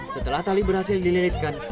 setelah tali berhasil dililitkan